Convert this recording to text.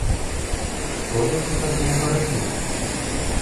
Што ты тут так доўга рабіў?